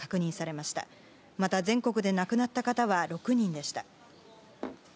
また全国で亡くなった方は６人でした。